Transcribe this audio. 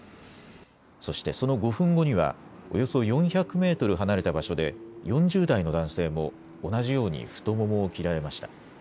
そしてその５分後には、およそ４００メートル離れた場所で、４０代の男性も同じように太ももを切られました。